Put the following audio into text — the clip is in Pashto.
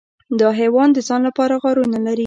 دا حیوان د ځان لپاره غارونه لري.